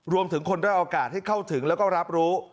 รวมถึงคนได้โอกาสให้เข้าถึงแล้วก็รับรู้